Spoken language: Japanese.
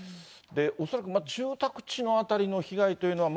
恐らく住宅地の辺りの被害というのは、